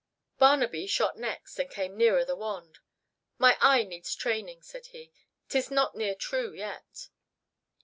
Barnaby shot next and came nearer the wand. "My eye needs training," said he. "'Tis not near true yet."